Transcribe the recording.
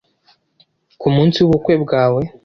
ku munsi w'ubukwe bwawe.